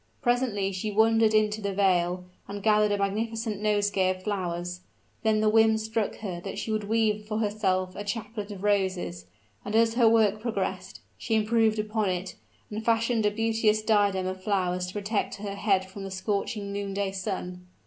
Presently she wandered into the vale, and gathered a magnificent nosegay of flowers: then the whim struck her that she would weave for herself a chaplet of roses; and as her work progressed, she improved upon it, and fashioned a beauteous diadem of flowers to protect her head from the scorching noonday sun.